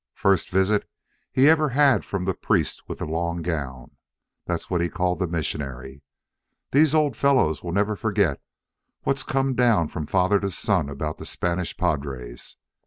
First visits he ever had from the priest with the long gown. That's what he called the missionary. These old fellows will never forget what's come down from father to son about the Spanish padres.